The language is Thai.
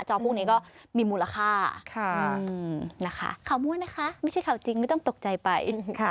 พวกนี้ก็มีมูลค่านะคะข่าวมั่วนะคะไม่ใช่ข่าวจริงไม่ต้องตกใจไป